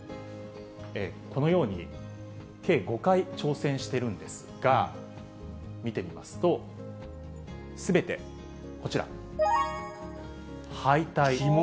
このように、計５回挑戦しているんですが、見てみますと、すべてこちら、敗退。